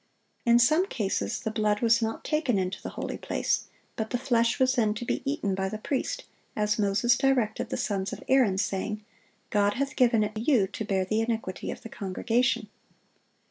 In some cases the blood was not taken into the holy place; but the flesh was then to be eaten by the priest, as Moses directed the sons of Aaron, saying, "God hath given it you to bear the iniquity of the congregation."